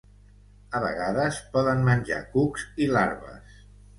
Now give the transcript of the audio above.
A vegades poden menjar cucs i larves.